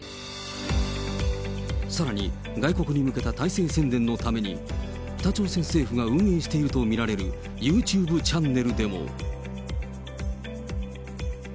さらに、外国に向けた体制宣伝のために、北朝鮮政府が運営していると見られるユーチューブチャンネルでも。